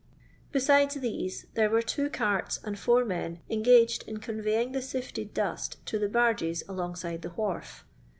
Besides these there were two carts and four men engaged in conveying the sifted dust to the barges alongside the wharf.